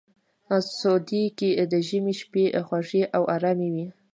سعودي کې د ژمي شپې خوږې او ارامې وي.